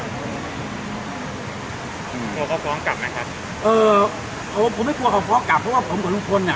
กลัวเขาฟ้องกลับไหมครับเอ่อผมไม่กลัวเขาฟ้องกลับเพราะว่าผมกับลุงพลอ่ะ